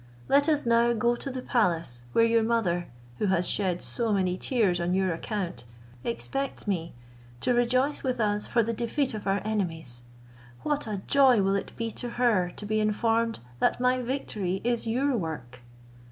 Let us now go to the palace where your mother, who has shed so many tears on your account, expects me to rejoice with us for the defeat of our enemies. What a joy will it be to her to be informed, that my victory is your work!"